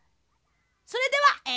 それではえ